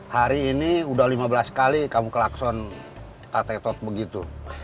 hari ini udah lima belas kali kamu ke lakson kate tot begitu